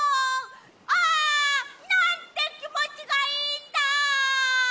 ああなんてきもちがいいんだ！